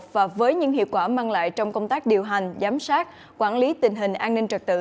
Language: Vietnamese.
và với những hiệu quả mang lại trong công tác điều hành giám sát quản lý tình hình an ninh trật tự